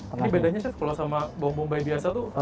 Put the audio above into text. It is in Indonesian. ini bedanya chef kalau sama bawang bombay biasa tuh